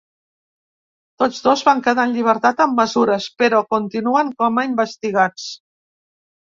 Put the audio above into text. Tots dos van quedar en llibertat amb mesures, però continuen com a investigats.